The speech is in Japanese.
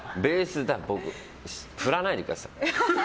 僕に振らないでください。